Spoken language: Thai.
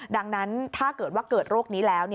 ดังนั้นถ้าเกิดว่าเกิดโรคนี้แล้ว